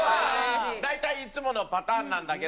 大体いつものパターンなんだけど。